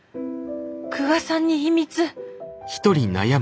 久我さんに秘密。